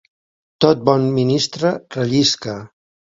Tot bon ministre rellisca.